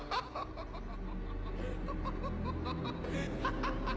アハハハ！